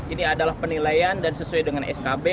ini adalah penilaian dan sesuai dengan skb